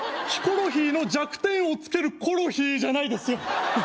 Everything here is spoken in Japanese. ヒコロヒーの弱点をつけるコロヒーじゃないですよ